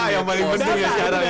data yang paling penting ya sekarang ya